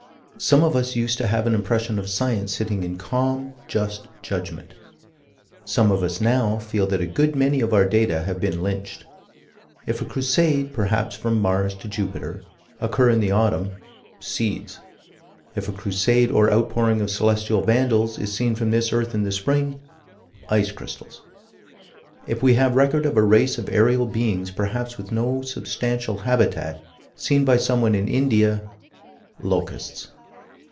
Some of us used to have an impression of Science sitting in calm, just judgment: some of us now feel that a good many of our data have been lynched. If a Crusade, perhaps from Mars to Jupiter, occur in the autumn "seeds." If a Crusade or outpouring of celestial vandals is seen from this earth in the spring "ice crystals." If we have record of a race of aerial beings, perhaps with no substantial habitat, seen by someone in India "locusts."